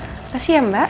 terima kasih ya mbak